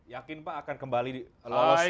yakin pak akan kembali lolos